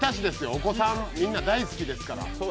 お子さんみんな大好きですから。